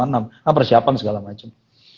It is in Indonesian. nah persiapan segala macem